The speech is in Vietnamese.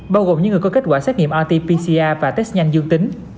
bao gồm những người có kết quả xét nghiệm rt pcr và test nhanh dương tính